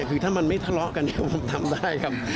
คือถ้ามันไม่ทะเลาะกันเนี่ยผมทำได้ครับ